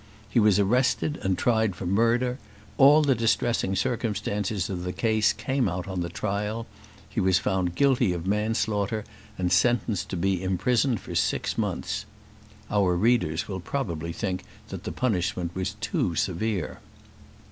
He was arrested and tried for murder; all the distressing circumstances of the case came out on the trial: he was found guilty of manslaughter, and sentenced to be imprisoned for six months. Our readers will probably think that the punishment was too severe.